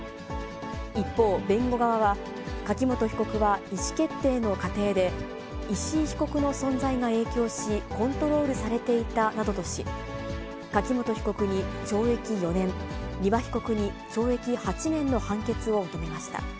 一方、弁護側は柿本被告は意思決定の過程で、石井被告の存在が影響し、コントロールされていたなどとし、柿本被告に懲役４年、丹羽被告に懲役８年の判決を求めました。